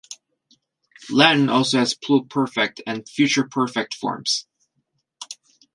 Latin also has pluperfect and future perfect forms.